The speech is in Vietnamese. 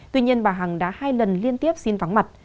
tuy nhiên bà hằng đã hai lần liên tiếp xin vắng mặt